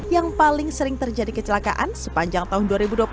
yang paling sering terjadi kecelakaan sepanjang tahun dua ribu dua puluh dua